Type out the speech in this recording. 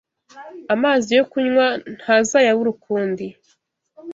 amazi yo kunywa ntazayabura ukundi